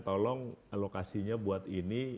tolong alokasinya buat ini